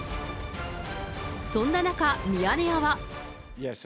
そんな中、ミヤネ屋は。